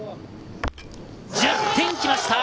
１０点きました！